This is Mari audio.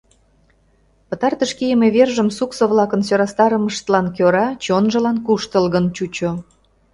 Пытартыш кийыме вержым суксо-влакын сӧрастарымыштлан кӧра чонжылан куштылгын чучо.